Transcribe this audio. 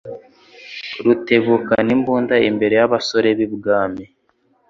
Rutebukanimbunda imbere y'abasore b,ibwami